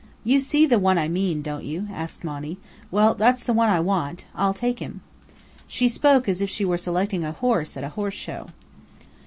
"You see the one I mean, don't you?" asked Monny. "Well, that's the one I want. I'll take him." She spoke as if she were selecting a horse at a horse show.